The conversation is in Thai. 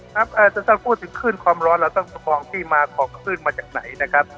ครับอาจจะถ้าพูดถึงคลื่นความร้อนเราต้องประคองที่มาของคลื่นมาจากไหนนะครับ